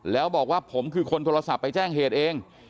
แล้วบอกว่าผมคือคนโทรศัพท์ไปแจ้งเหตุเอง